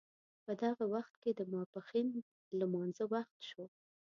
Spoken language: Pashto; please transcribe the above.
په دغه وخت کې د ماپښین لمانځه وخت شو.